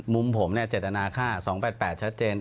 มุมผมเจตนาค่า๒๘๘ชัดเจน